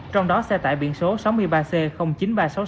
trong đó xe tải biển số sáu mươi ba c chín nghìn ba trăm sáu mươi sáu